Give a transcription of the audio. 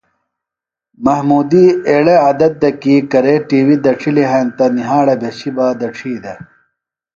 محمودی ایڑےۡ عدت دےۡ کی کرے ٹی وی دڇِھلیۡ ہینتہ نِھیاڑہ بھشیۡ بہ دڇھی دےۡ۔